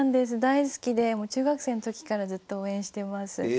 大好きでもう中学生の時からずっと応援してます。